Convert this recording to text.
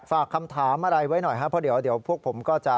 ฝากคำถามอะไรไว้หน่อยครับเพราะเดี๋ยวพวกผมก็จะ